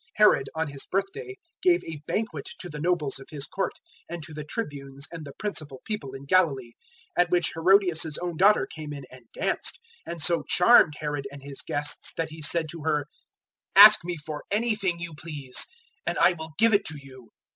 Herod on his birthday gave a banquet to the nobles of his court and to the tribunes and the principal people in Galilee, 006:022 at which Herodias's own daughter came in and danced, and so charmed Herod and his guests that he said to her, "Ask me for anything you please, and I will give it to you."